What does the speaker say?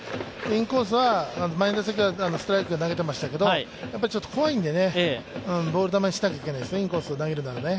インコースは前の打席からストライクを投げてましたけど怖いんでボール球にしなきゃいけないですね、インコースで投げるならね。